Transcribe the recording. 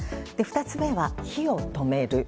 ２つ目は火を止める。